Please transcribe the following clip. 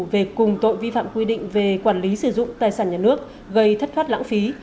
về cùng tội vi phạm quy định về quản lý sử dụng tài sản nhà nước gây thất thoát lãng phí